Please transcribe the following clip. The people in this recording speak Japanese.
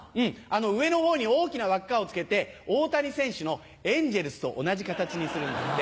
上の方に大きな輪っかを付けて大谷選手のエンジェルスと同じ形にするんだって。